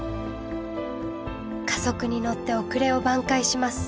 加速に乗って遅れを挽回します。